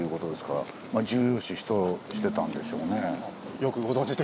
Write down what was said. よくご存じで。